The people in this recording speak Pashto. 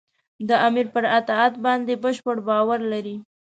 د امیر پر اطاعت باندې بشپړ باور لري.